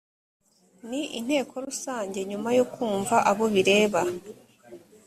n inteko rusange nyuma yo kumva abo bireba